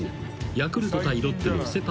ヤクルト対ロッテのセ・パ